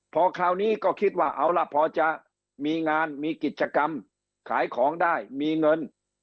พอคราวนี้ก็คิดว่าเอาล่ะพอจะมีงานมีกิจกรรมขายของได้มีเงิน